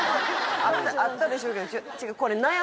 あったでしょうけど違う